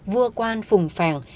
vua quan phùng phèn